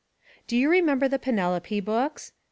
Do you remember the Penelope books?